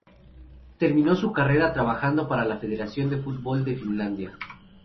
Terminó su carrera trabajando para la Federación de Fútbol de Finlandia.